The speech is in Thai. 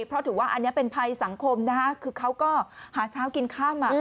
เพราะถือว่าอันนี้เป็นภัยสังคมนะคะคือเขาก็หาเช้ากินค่ำ